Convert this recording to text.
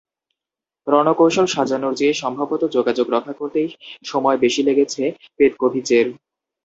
রণকৌশল সাজানোর চেয়ে সম্ভবত যোগাযোগ রক্ষা করতেই সময় বেশি গেছে পেতকোভিচের।